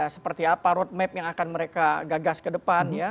seperti apa roadmap yang akan mereka gagas ke depan ya